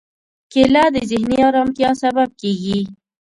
کېله د ذهني ارامتیا سبب کېږي.